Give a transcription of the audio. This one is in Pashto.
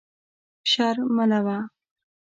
شر ملوه.